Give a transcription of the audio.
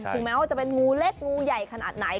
แม้ว่าจะเป็นงูเล็กงูใหญ่ขนาดไหน